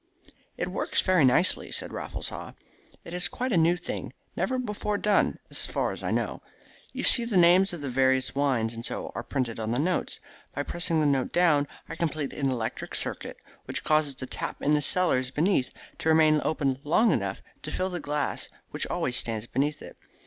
"It works very nicely," said Raffles Haw. "It is quite a new thing never before done, as far as I know. You see the names of the various wines and so on printed on the notes. By pressing the note down I complete an electric circuit which causes the tap in the cellars beneath to remain open long enough to fill the glass which always stands beneath it.